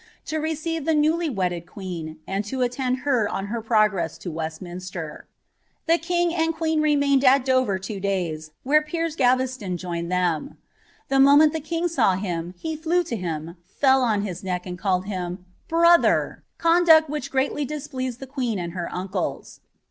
W receive the newly wedded queen, and lo attend her on her prognM te Westminster.* The king and queen remained at Dover two days, where Pter* Ga veston joined lliem. The moment the king saw him, he flew to bin, fell on his neck, and called him ■'brother^"* conduct which gnul*' displeased the queen and her uncles.